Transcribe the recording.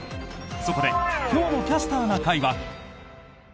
そこで今日の「キャスターな会」は。